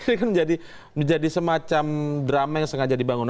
ini kan menjadi semacam drama yang sengaja dibangun